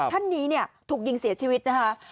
ท่านนี้เนี่ยถูกยิงเสียชีวิตนะคะ